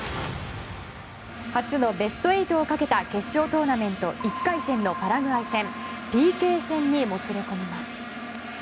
初のベスト８をかけた１回戦のパラグアイ戦はＰＫ戦へもつれ込みます。